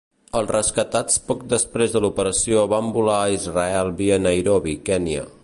Els rescatats poc després de l'operació van volar a Israel via Nairobi, Kenya.